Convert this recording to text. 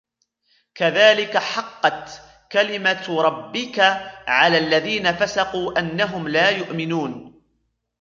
كَذَلِكَ حَقَّتْ كَلِمَتُ رَبِّكَ عَلَى الَّذِينَ فَسَقُوا أَنَّهُمْ لَا يُؤْمِنُونَ